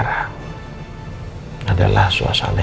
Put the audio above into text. tapi itu tidak ada masalah